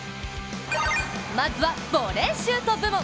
まずはボレーシュート部門。